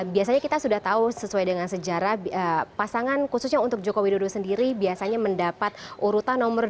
biasanya kita sudah tahu sesuai dengan sejarah pasangan khususnya untuk jokowi dodo sendiri biasanya mendapat urutan nomor dua